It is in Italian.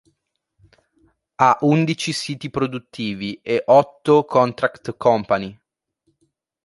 Ha undici siti produttivi e otto Contract Company.